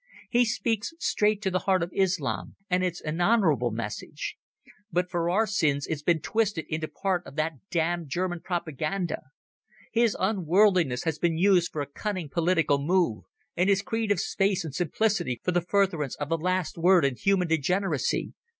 He speaks straight to the heart of Islam, and it's an honourable message. But for our sins it's been twisted into part of that damned German propaganda. His unworldliness has been used for a cunning political move, and his creed of space and simplicity for the furtherance of the last word in human degeneracy.